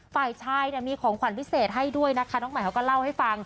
ฝ่ายชายน่ะมีของขวัญพิเศษให้ด้วยนะคะ